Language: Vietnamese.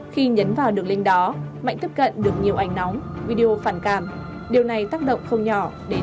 khi nhấn vào đường link đó mạnh tiếp cận được nhiều ảnh nóng video phản cảm điều này tác động không nhỏ đến tâm lý của em